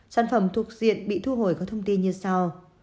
sản phẩm thuộc diện bị thu hồi có thông tin như sau